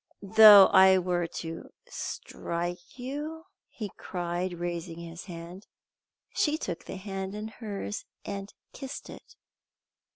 "Though I were to strike you " he cried, raising his hand. She took the hand in hers and kissed it.